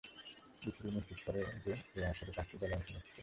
BCB নিশ্চিত করে যে, এই আসরে পাঁচটি দল অংশ নিচ্ছে।